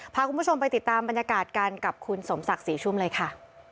พาคุณผู้ชมไปติดตามบรรยากาศกันกับคุณสมศักดิ์ศรีชุ่มเลยค่ะ